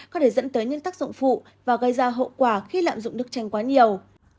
có thể dẫn tới những tác dụng phụ và gây ra hậu quả khi lạm dụng đức tranh quá nhiều